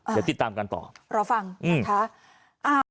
เดี๋ยวติดตามกันต่อรอฟังนะคะ